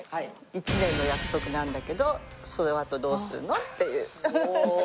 １年の約束なんだけどそのあとどうするの？っていう。